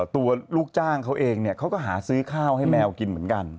ลูกจ้างเขาเองเขาก็หาซื้อข้าวให้แมวกินเหมือนกัน